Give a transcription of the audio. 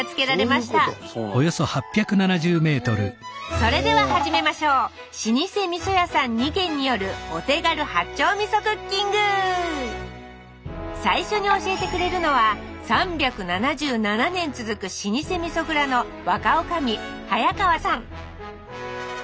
それでは始めましょう最初に教えてくれるのは３７７年続く老舗味蔵の若女将早川さん